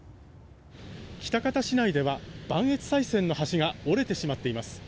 喜多方市内では磐越西線の橋が折れてしまっています。